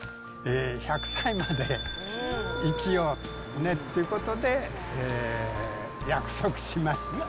１００歳まで生きようねっていうことで、約束しました。